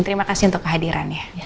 terima kasih untuk kehadiran ya